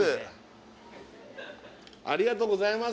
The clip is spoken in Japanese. ありがとうございます